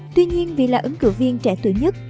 tuy nhiên vì là ứng cử viên trẻ tuổi nhất